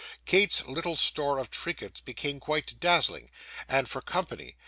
Kate's little store of trinkets became quite dazzling; and for company!